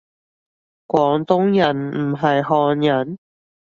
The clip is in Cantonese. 廣東人唔係漢人？